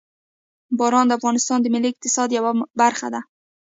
باران د افغانستان د ملي اقتصاد یوه برخه ده.